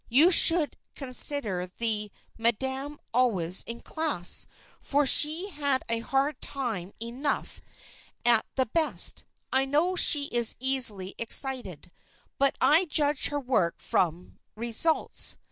You should consider the Madam always in class, for she has a hard time enough at the best. I know she is easily excited; but I judge her work from results.